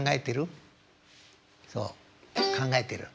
そう考えてる。